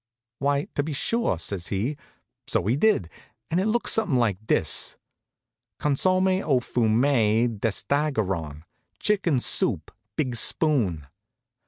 "Why, to be sure," says he. So he did, and it looked something like this: "Consomme au fumet d'estaragon (chicken soup big spoon).